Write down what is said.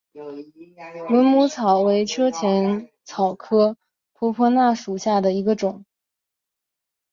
蚊母草为车前草科婆婆纳属下的一个种。